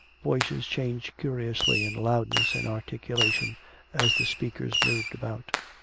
Voices changed curiously in loudness and articulation as the speakers moved about.